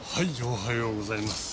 おはようございます。